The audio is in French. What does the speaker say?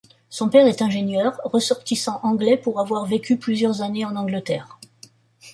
Son père est ingénieur, ressortissant anglais pour avoir vécu plusieurs années en Angleterre.